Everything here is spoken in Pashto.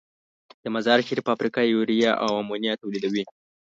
د مزارشریف فابریکه یوریا او امونیا تولیدوي.